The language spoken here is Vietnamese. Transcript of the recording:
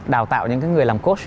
đào tạo những người làm coach